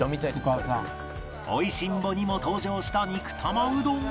『美味しんぼ』にも登場した肉玉うどんが